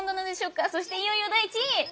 そしていよいよ第１位！